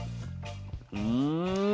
うん。